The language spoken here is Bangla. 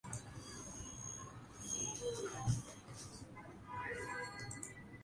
আশ্বিন মাসে যাঁর আরাধনায় মেতে ওঠে বাংলা, তিনিই হলেন দেবী দুর্গা।